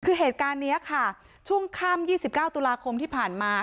คือเหตุการณ์นี้ค่ะช่วงค่ำ๒๙ตุลาคมที่ผ่านมา